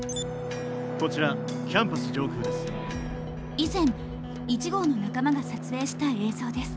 以前１号の仲間が撮影した映像です。